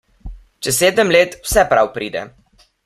Čez sedem let vse prav pride.